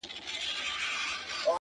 ژوند څه دی پيل يې پر تا دی او پر تا ختم،